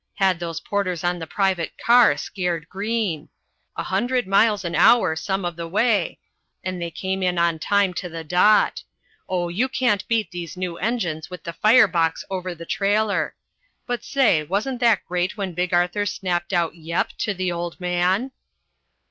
Had those porters on the private car scared green! A hundred miles an hour some o' the way, and they came in on time to the dot. Oh, you can't beat these new engines with the fire box over the trailer; but say, wasn't that great when Big Arthur snapped out 'Yep' to the old man?"